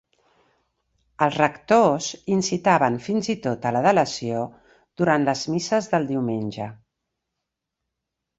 Els rectors incitaven fins i tot a la delació durant les misses del diumenge.